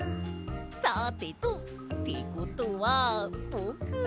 さてとってことはぼくは。